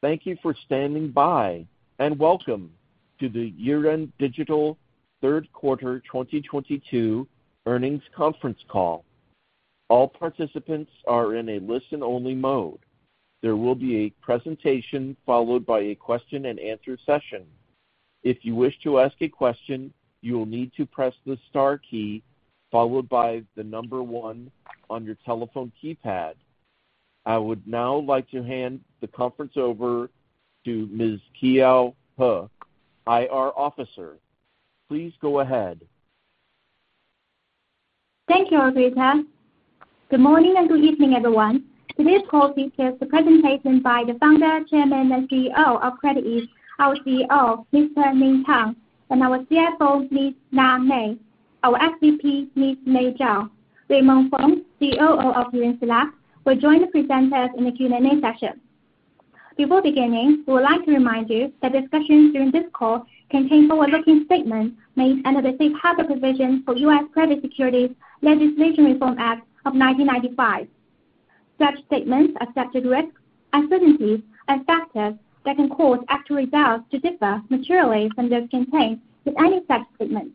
Thank you for standing by, and welcome to the Yiren Digital Q3 2022 earnings conference call. All participants are in a listen only mode. There will be a presentation followed by a question and answer session. If you wish to ask a question, you will need to press the star key followed by the number one on your telephone keypad. I would now like to hand the conference over to Ms. Keyao He, Investor Relations Officer. Please go ahead. Thank you, operator. Good morning and good evening, everyone. Today's call features the presentation by the founder, chairman, and CEO of CreditEase, our CEO, Mr. Ning Tang, and our CFO, Ms. Na Mei, our SVP, Ms. Mei Zhao. Raymond Fang, COO of Yunxi Lab, will join the presenters in the Q&A session. Before beginning, we would like to remind you that discussions during this call contain forward-looking statements made under the Safe Harbor provisions for U.S. Private Securities Litigation Reform Act of 1995. Such statements accepted risks, uncertainties, and factors that can cause actual results to differ materially from those contained in any such statements.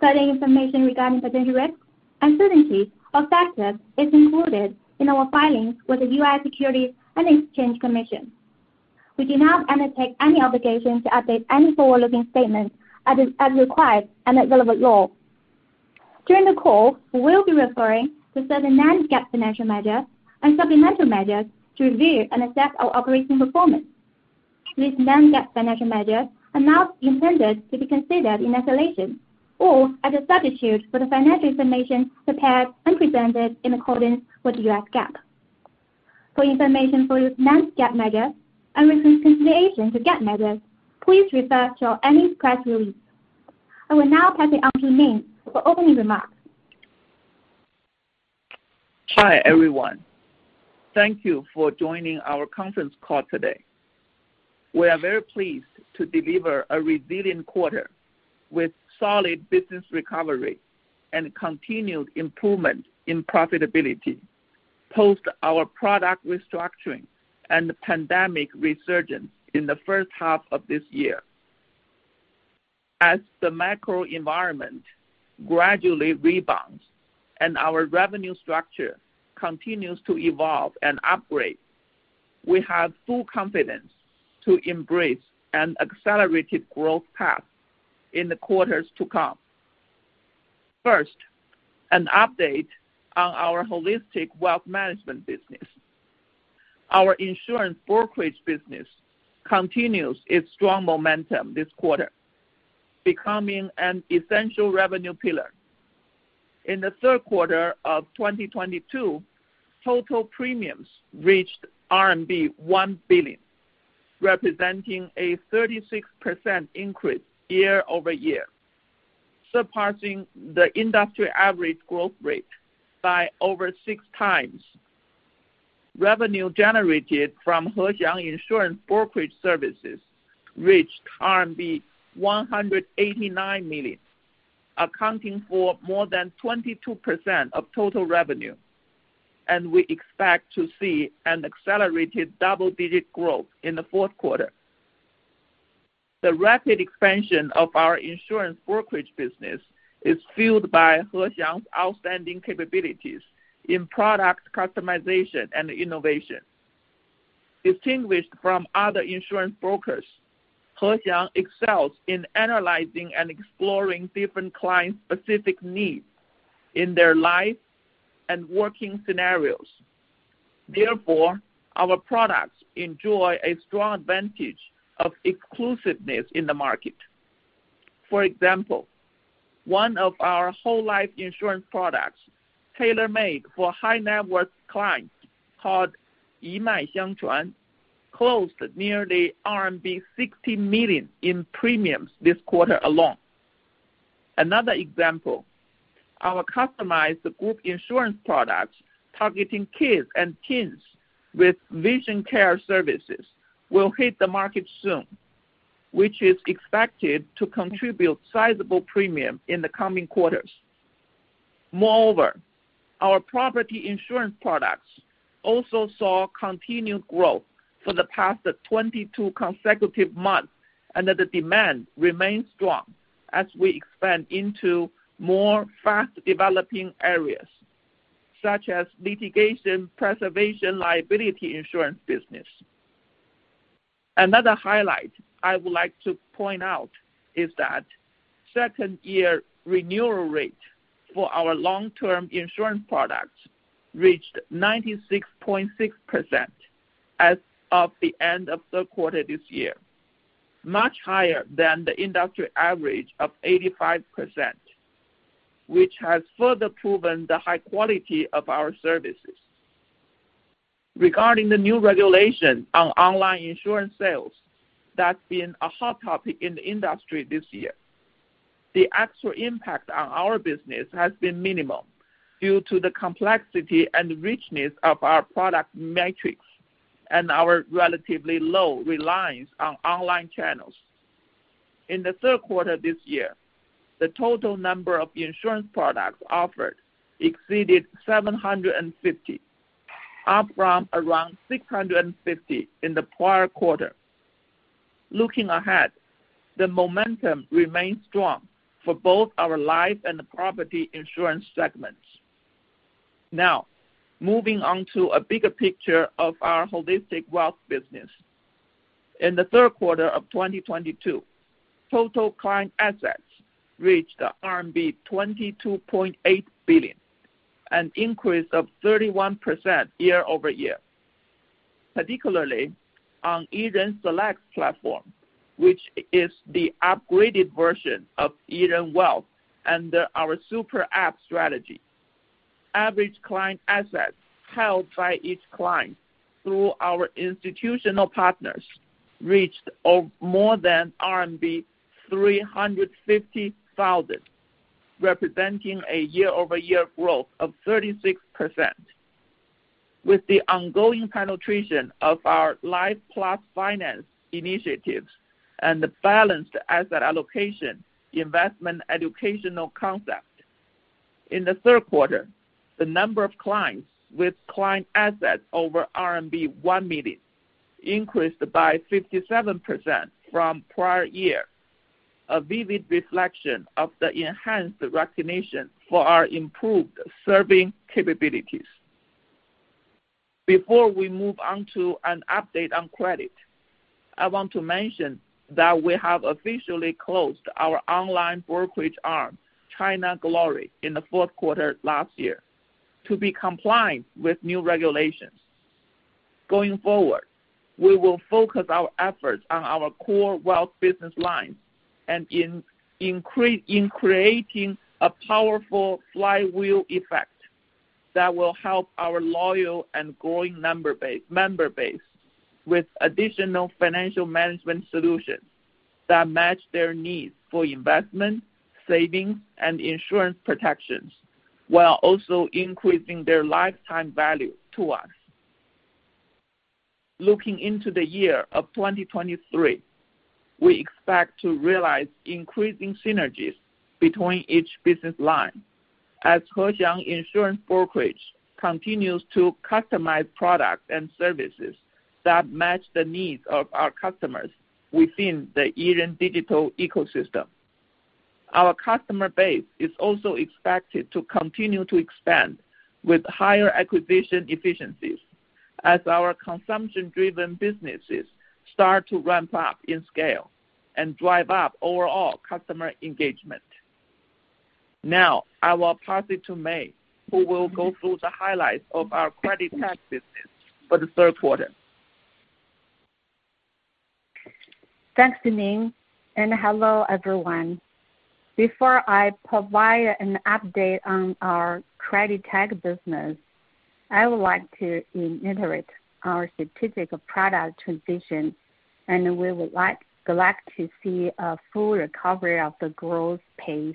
Certain information regarding potential risks, uncertainties or factors is included in our filings with the U.S. Securities and Exchange Commission. We do not undertake any obligation to update any forward-looking statements as required under relevant law. During the call, we will be referring to certain non-GAAP financial measures and supplemental measures to review and assess our operating performance. These non-GAAP financial measures are not intended to be considered in isolation or as a substitute for the financial information prepared and presented in accordance with the U.S. GAAP. For information for non-GAAP measures and reconciliation to GAAP measures, please refer to our earnings press release. I will now pass it on to Ning for opening remarks. Hi, everyone. Thank you for joining our conference call today. We are very pleased to deliver a resilient quarter with solid business recovery and continued improvement in profitability post our product restructuring and the pandemic resurgence in the first half of this year. As the macro environment gradually rebounds and our revenue structure continues to evolve and upgrade, we have full confidence to embrace an accelerated growth path in the quarters to come. First, an update on our holistic wealth management business. Our insurance brokerage business continues its strong momentum this quarter, becoming an essential revenue pillar. In the Q3 of 2022, total premiums reached RMB 1 billion, representing a 36% increase year-over-year, surpassing the industry average growth rate by over 6 times. Revenue generated from Hexiang Insurance Brokerage Services reached RMB 189 million, accounting for more than 22% of total revenue, and we expect to see an accelerated double-digit growth in the Q4. The rapid expansion of our insurance brokerage business is fueled by Hexiang's outstanding capabilities in product customization and innovation. Distinguished from other insurance brokers, Hexiang excels in analyzing and exploring different client-specific needs in their life and working scenarios. Therefore, our products enjoy a strong advantage of exclusiveness in the market. For example, one of our whole life insurance products, tailor-made for high net worth clients called Yimai Xiangchuan, closed nearly RMB 60 million in premiums this quarter alone. Another example, our customized group insurance products targeting kids and teens with vision care services will hit the market soon, which is expected to contribute sizable premium in the coming quarters. Our property insurance products also saw continued growth for the past 22 consecutive months, and that the demand remains strong as we expand into more fast developing areas, such as litigation preservation liability insurance business. Another highlight I would like to point out is that second year renewal rate for our long-term insurance products reached 96.6% as of the end of Q3 this year, much higher than the industry average of 85%, which has further proven the high quality of our services. Regarding the new regulation on online insurance sales, that's been a hot topic in the industry this year. The actual impact on our business has been minimal due to the complexity and richness of our product matrix and our relatively low reliance on online channels. In the Q3 this year, the total number of insurance products offered exceeded 750, up from around 650 in the prior quarter. Looking ahead, the momentum remains strong for both our life and property insurance segments. Now, moving on to a bigger picture of our holistic wealth business. In the Q3 of 2022, total client assets reached RMB 22.8 billion, an increase of 31% year-over-year. Particularly on Yiren Select platform, which is the upgraded version of Yiren Wealth under our super app strategy. Average client assets held by each client through our institutional partners reached more than RMB 350,000, representing a year-over-year growth of 36%. With the ongoing penetration of our Life Plus Finance initiatives and the balanced asset allocation investment educational concept. In the Q3, the number of clients with client assets over RMB 1 million increased by 57% from prior year. A vivid reflection of the enhanced recognition for our improved serving capabilities. Before we move on to an update on credit, I want to mention that we have officially closed our online brokerage arm, China Glory, in the Q4 last year to be compliant with new regulations. Going forward, we will focus our efforts on our core wealth business lines in creating a powerful flywheel effect that will help our loyal and growing member base with additional financial management solutions that match their needs for investment, savings, and insurance protections, while also increasing their lifetime value to us. Looking into the year of 2023, we expect to realize increasing synergies between each business line as Hexiang Insurance Brokerage continues to customize products and services that match the needs of our customers within the Yiren digital ecosystem. Our customer base is also expected to continue to expand with higher acquisition efficiencies as our consumption-driven businesses start to ramp up in scale and drive up overall customer engagement. Now, I will pass it to Mei, who will go through the highlights of our credit tech business for the Q3. Thanks, Ning. Hello, everyone. Before I provide an update on our credit tech business, I would like to reiterate our strategic product transition, and we would like to see a full recovery of the growth pace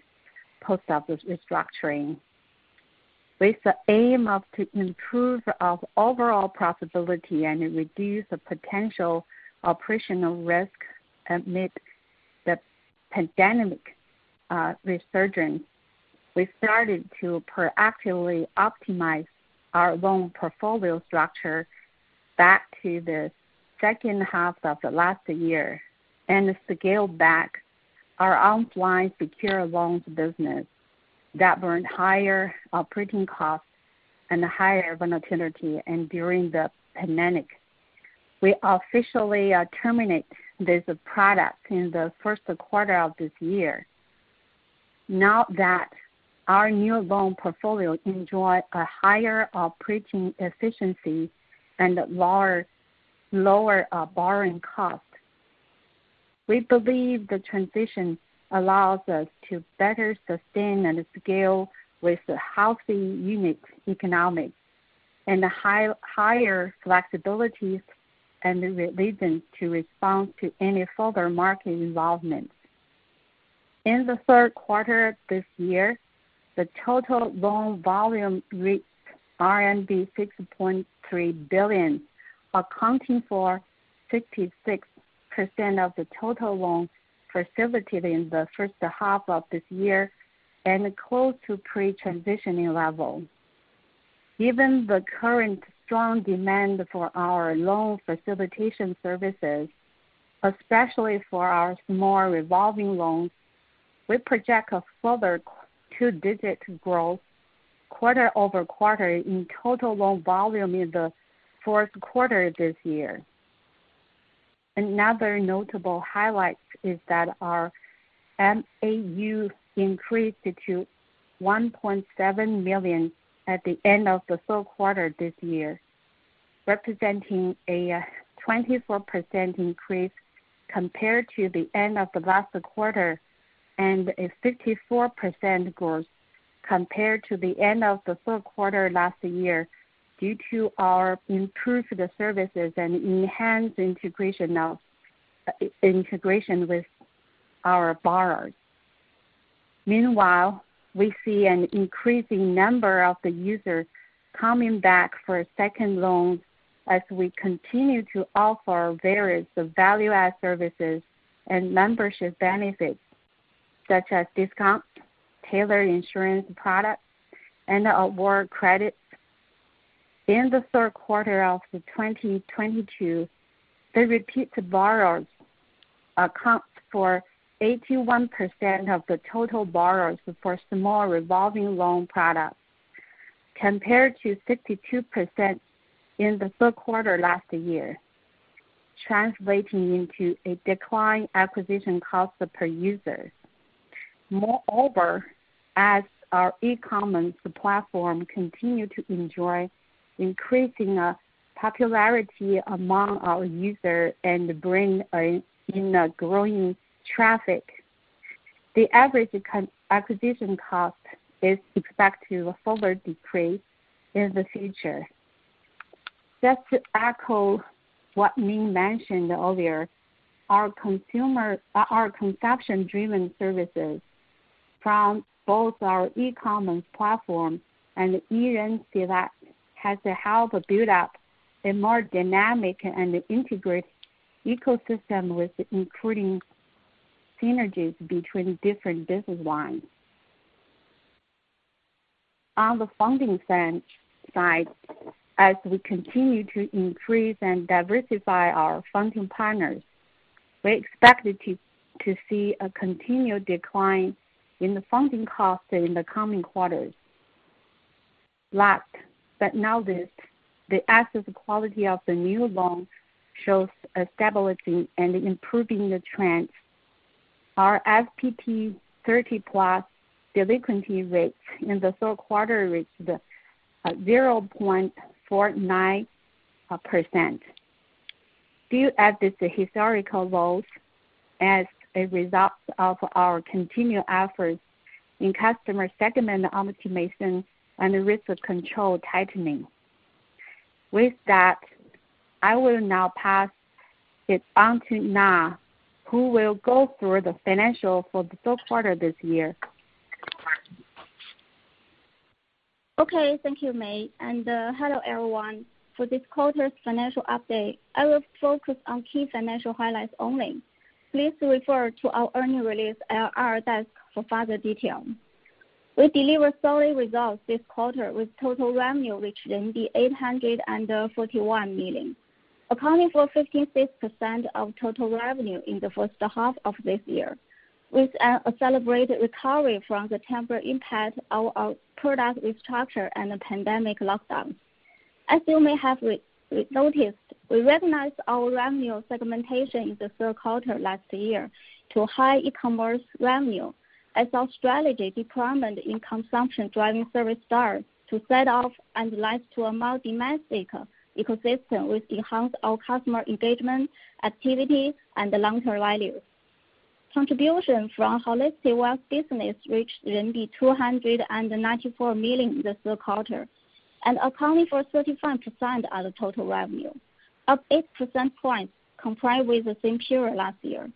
post of the restructuring. With the aim to improve our overall profitability and reduce the potential operational risk amid the pandemic resurgence, we started to proactively optimize our loan portfolio structure back to the second half of last year and scaled back our online secure loans business that burned higher operating costs and higher volatility and during the pandemic. We officially terminate this product in the Q1 of this year. Now that our new loan portfolio enjoy a higher operating efficiency and lower borrowing cost, we believe the transition allows us to better sustain and scale with a healthy unique economics and higher flexibility and resilience to respond to any further market involvement. In the Q3 this year, the total loan volume reached RMB 6.3 billion, accounting for 66% of the total loans facilitated in the first half of this year and close to pre-transitioning level. Given the current strong demand for our loan facilitation services, especially for our small revolving loans, we project a further two-digit growth quarter-over-quarter in total loan volume in the Q4 this year. Another notable highlight is that our MAU increased to 1.7 million at the end of the Q3 this year, representing a 24% increase compared to the end of the last quarter, and a 54% growth compared to the end of the Q3 last year due to our improved services and enhanced integration with our borrowers. Meanwhile, we see an increasing number of the users coming back for second loans as we continue to offer various value-add services and membership benefits such as discounts, tailored insurance products, and award credits. In the Q3 of 2022, the repeat borrowers account for 81% of the total borrowers for small revolving loan products, compared to 52% in the Q3 last year, translating into a decline acquisition cost per users. Moreover, as our e-commerce platform continue to enjoy increasing popularity among our user and bring in a growing traffic, the average acquisition cost is expected to further decrease in the future. Just to echo what Ning mentioned earlier, our consumption-driven services from both our e-commerce platform and E-Renzhi that has helped build up a more dynamic and integrated ecosystem with including synergies between different business lines. On the funding front side, as we continue to increase and diversify our funding partners, we expected to see a continued decline in the funding cost in the coming quarters. Last but not least, the asset quality of the new loans shows a stability and improving the trends. Our SPP 30-plus delinquency rates in the Q3 reached 0.49%. Still at its historical lows as a result of our continued efforts in customer segment optimization and risk control tightening. With that, I will now pass it on to Na, who will go through the financial for the Q3 this year. Okay. Thank you, Mei. Hello, everyone. For this quarter's financial update, I will focus on key financial highlights only. Please refer to our earning release at IR Desk for further details. We delivered solid results this quarter with total revenue, which 841 million, accounting for 56% of total revenue in the first half of this year, with an accelerated recovery from the temporary impact of our product restructure and the pandemic lockdown. As you may have noticed, we recognized our revenue segmentation in the Q3 last year to high e-commerce revenue as our strategy deployment in consumption driving service start to set off and leads to a multi-dimensional ecosystem, which enhance our customer engagement, activity, and long-term value. Contribution from holistic wealth business reached RMB 294 million this Q3. Accounting for 35% of the total revenue, up 8 percentage points compared with the same period last year.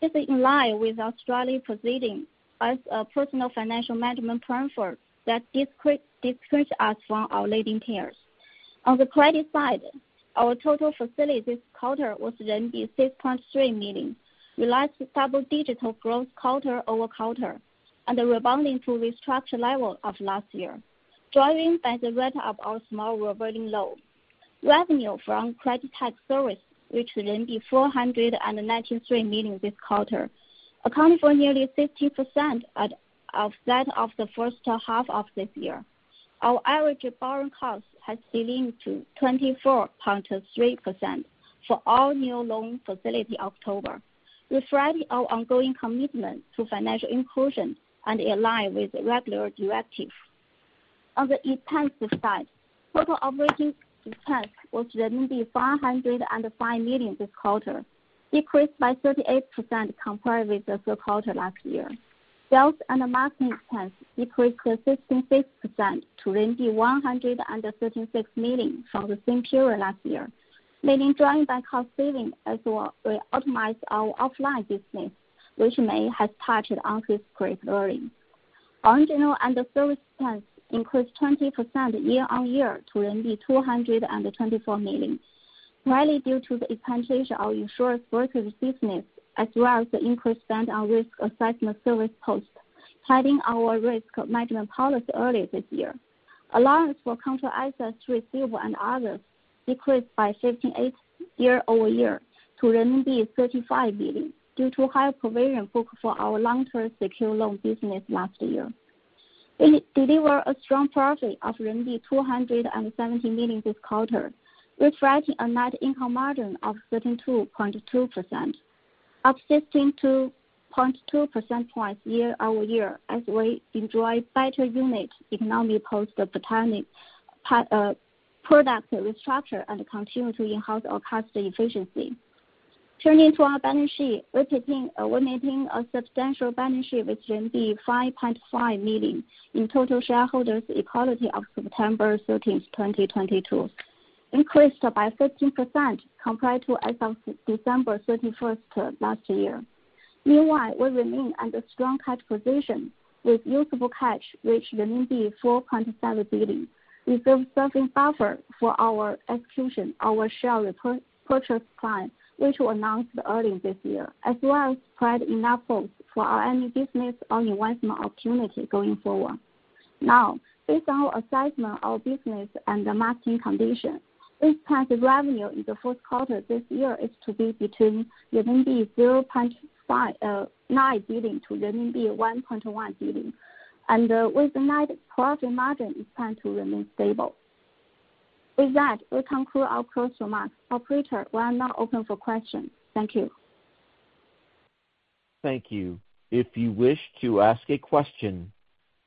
This is in line with our strategy proceeding as a personal financial management platform that distinguish us from our leading peers. On the credit side, our total facilities this quarter was 6.3 billion. Realized double-digit growth quarter-over-quarter. Rebounding to restructure level of last year, driven by the rate of our small revolving loan. Revenue from credit tech service, which 493 million this quarter, accounting for nearly 50% at outset of the first half of this year. Our average borrowing cost has declined to 24.3% for all new loan facility October, reflecting our ongoing commitment to financial inclusion and align with regular directive. On the expense side, total operating expense was 505 million this quarter, decreased by 38% compared with the Q3 last year. Sales and marketing expense decreased 66% to 136 million from the same period last year, mainly driven by cost saving as we optimize our offline business, which Mei has touched on this briefly earlier. Origination and service expense increased 20% year-on-year to RMB 224 million, primarily due to the expansion of insurance brokerage business, as well as the increased spend on risk assessment service post heading our risk management policy early this year. Allowance for counter assets receivable and others decreased by 58% year-over-year to renminbi 35 billion due to higher provision book for our long-term secured loan business last year. We deliver a strong profit of 270 million this quarter, reflecting a net income margin of 32.2%, up 16.2 percentage points year-over-year as we enjoy better unit economy post the planning, product restructure and continue to enhance our cost efficiency. Turning to our balance sheet, we're maintaining a substantial balance sheet with RMB 5.5 million in total shareholders' equity of September 13, 2022. Increased by 15% compared to as of December 31st, last year. Meanwhile, we remain under strong cash position with usable cash, which 4.7 billion reserves, serving buffer for our execution, our share repurchase plan, which we announced early this year, as well as provide enough funds for our any business or investment opportunity going forward. Now, based on our assessment of business and the market condition, this type of revenue in the Q4 this year is to be between 0.9 billion-1.1 billion RMB. With the net profit margin is planned to remain stable. With that, we conclude our closed remarks. Operator, we are now open for questions. Thank you. Thank you. If you wish to ask a question,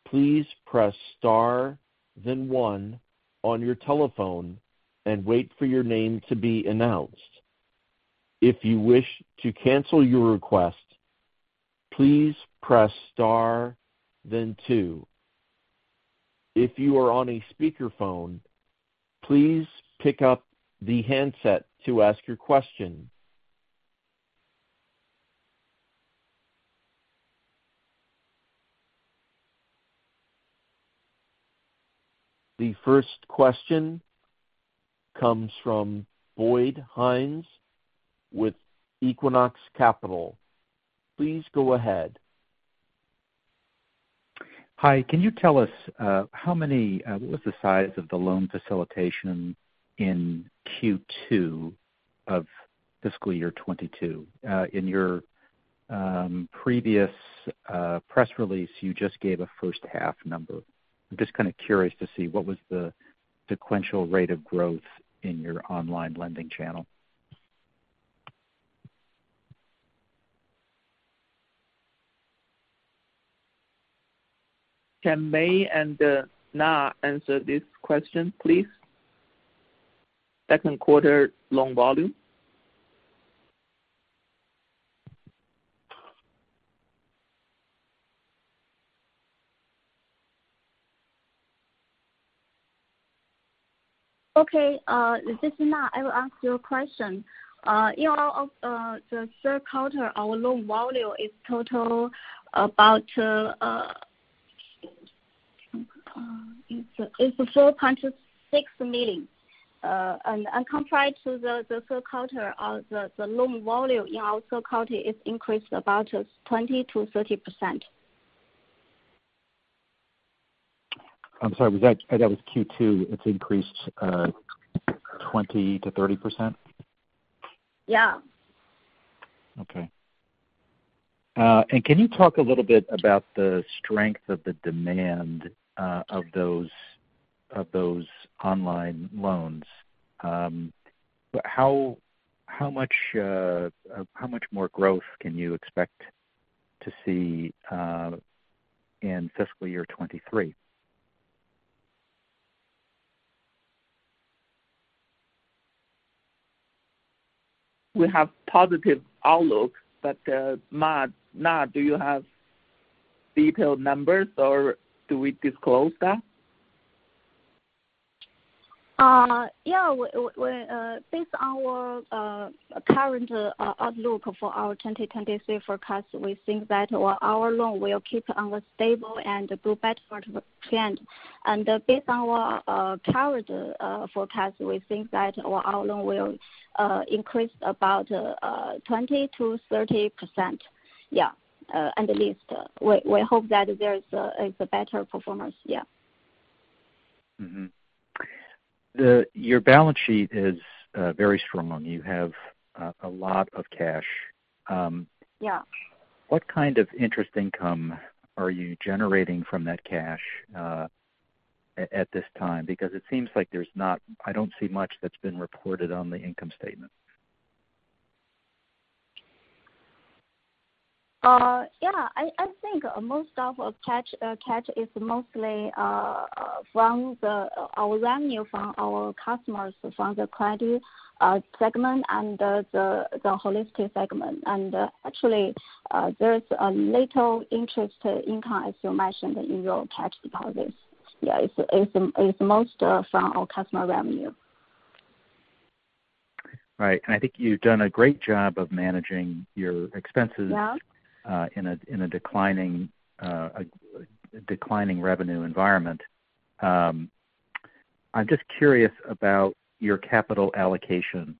please press Star then one on your telephone and wait for your name to be announced. If you wish to cancel your request, please press Star then two. If you are on a speaker phone, please pick up the handset to ask your question. The first question comes from Boyd Hines with Equinox Capital. Please go ahead. Hi. Can you tell us, what was the size of the loan facilitation in Q2 of fiscal year 2022? In your previous press release, you just gave a first half number. I'm just kinda curious to see what was the sequential rate of growth in your online lending channel. Can Mei and Na answer this question, please? Q2 loan volume. Okay, this is Na. I will answer your question. In all of the Q3, our loan volume is total about, it's 4.6 million. Compared to the Q3 of the loan volume in our Q3 is increased about 20%-30%. I'm sorry, That was Q2, it's increased, 20%-30%? Yeah. Okay. Can you talk a little bit about the strength of the demand, of those online loans? How much more growth can you expect to see in fiscal year 23? We have positive outlook, but, Na, do you have detailed numbers or do we disclose that? Yeah. We based on our current outlook for our 2023 forecast, we think that our loan will keep on stable and go back for trend. Based on our current forecast, we think that our loan will increase about 20%-30%. Yeah. At the least. We hope that there is a better performance. Yeah. Your balance sheet is very strong. You have a lot of cash. Yeah. What kind of interest income are you generating from that cash, at this time? It seems like I don't see much that's been reported on the income statement. Yeah. I think most of our cash is mostly, from the, our revenue from our customers, from the credit, segment and the holistic segment. Actually, there is a little interest income, as you mentioned, in your cash deposits. Yeah. It's most, from our customer revenue. Right. I think you've done a great job of managing your expenses- Yeah. In a declining revenue environment. I'm just curious about your capital allocation.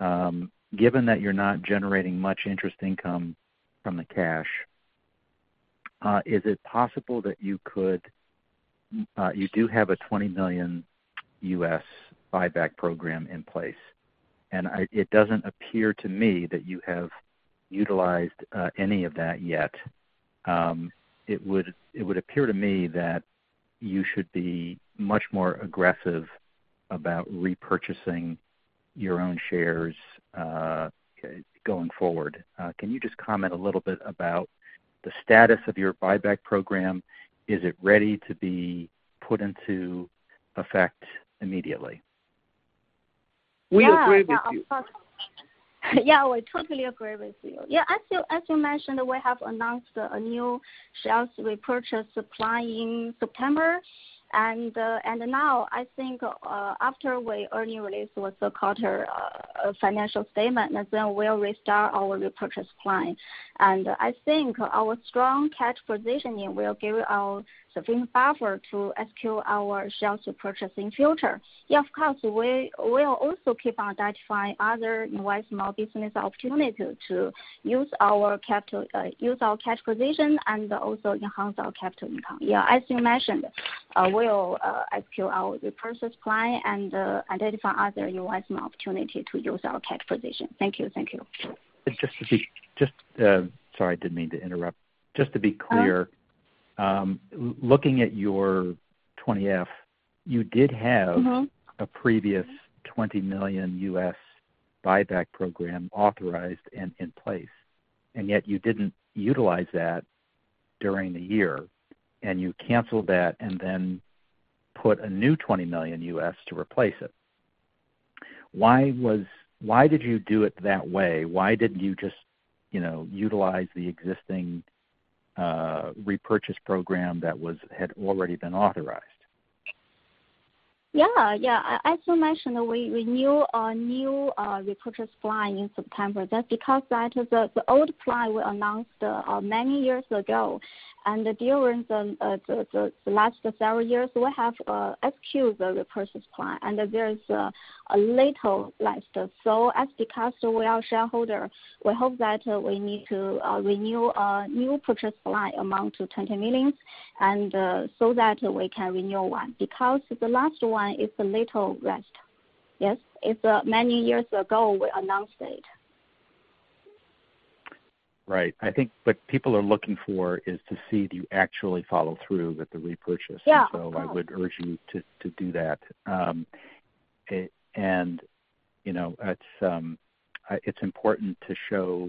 Given that you're not generating much interest income from the cash, is it possible that you could. You do have a $20 million U.S. buyback program in place. It doesn't appear to me that you have utilized any of that yet. It would appear to me that you should be much more aggressive about repurchasing your own shares going forward. Can you just comment a little bit about the status of your buyback program? Is it ready to be put into effect immediately? We agree with you. Yeah, we totally agree with you. Yeah, as you mentioned, we have announced a new shares repurchase supply in September. Now I think after we early release what's called our financial statement, then we'll restart our repurchase plan. I think our strong cash positioning will give us a firm buffer to execute our share purchasing future. Yeah, of course, we'll also keep on identifying other wise more business opportunity to use our capital, use our cash position and also enhance our capital income. Yeah, as you mentioned, we'll execute our repurchase plan and identify other wise more opportunity to use our cash position. Thank you. Thank you. Sorry, I didn't mean to interrupt. Just to be clear. Uh. Looking at your Form 20-F, you did have. Mm-hmm. A previous $20 million U.S. buyback program authorized and in place, and yet you didn't utilize that during the year, and you canceled that and then put a new $20 million U.S. to replace it. Why did you do it that way? Why didn't you just, you know, utilize the existing repurchase program that had already been authorized? Yeah. Yeah. As you mentioned, we knew our new repurchase plan in September. That's because that the old plan we announced many years ago. During the last several years, we have executed the repurchase plan. There is a little left. That's because we are shareholder. We hope that we need to renew our new purchase plan amount to $20 million and so that we can renew one, because the last one is a little rest. Yes. It's many years ago we announced it. Right. I think what people are looking for is to see do you actually follow through with the repurchase. Yeah. I would urge you to do that. And, you know, it's important to show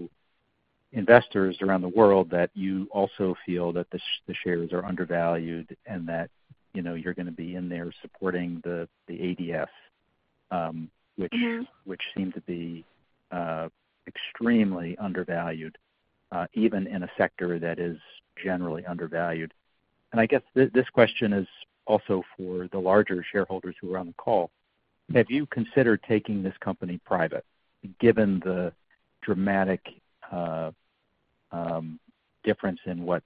investors around the world that you also feel that the shares are undervalued and that, you know, you're gonna be in there supporting the ADR. Mm-hmm. Which seem to be extremely undervalued, even in a sector that is generally undervalued. I guess this question is also for the larger shareholders who are on the call. Have you considered taking this company private given the dramatic difference in what,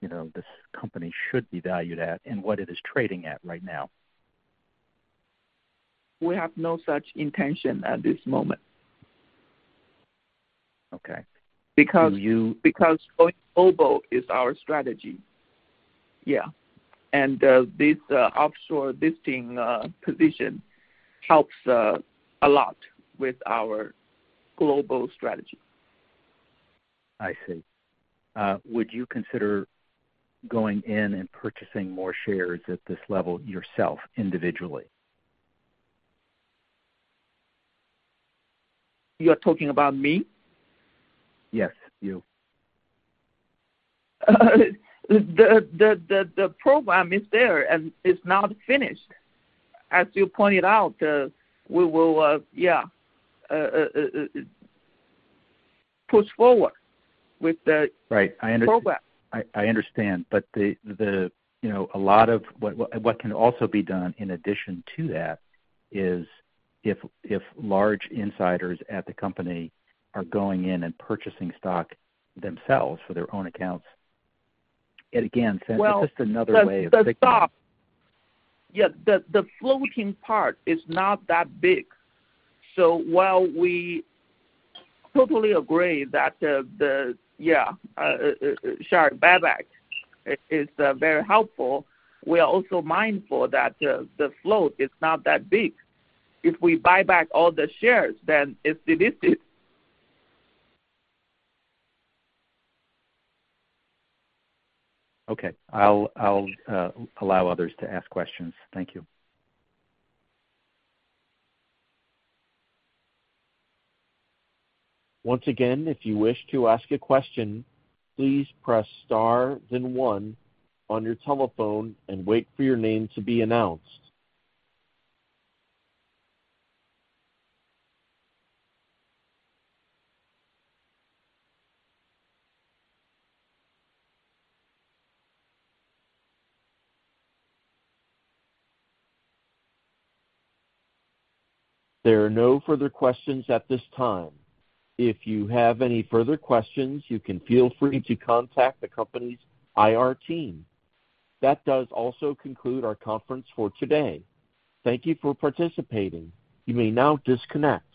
you know, this company should be valued at and what it is trading at right now? We have no such intention at this moment. Okay. Because- Do you- Because going global is our strategy. Yeah. This offshore listing position helps a lot with our global strategy. I see. Would you consider going in and purchasing more shares at this level yourself individually? You're talking about me? Yes, you. The program is there, and it's not finished. As you pointed out, we will, yeah, push forward with the-. Right. I -program. I understand. The, you know, a lot of what can also be done in addition to that is if large insiders at the company are going in and purchasing stock themselves for their own accounts, it again. Well- just another way of signaling. The stock. Yeah, the floating part is not that big. While we totally agree that the, yeah, share buyback is very helpful, we are also mindful that the float is not that big. If we buy back all the shares, then it's delisted. Okay. I'll allow others to ask questions. Thank you. Once again, if you wish to ask a question, please press star then one on your telephone and wait for your name to be announced. There are no further questions at this time. If you have any further questions, you can feel free to contact the company's IR Team. That does also conclude our conference for today. Thank you for participating. You may now disconnect.